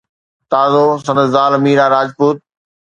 تازو سندس زال ميرا راجپوت